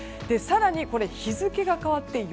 更に日付が変わって